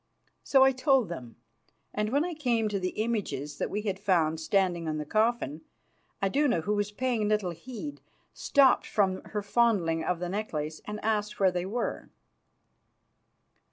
So I told them, and when I came to the images that we had found standing on the coffin, Iduna, who was paying little heed, stopped from her fondling of the necklace and asked where they were.